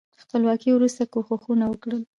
خپلواکۍ وروسته کوښښونه وکړل.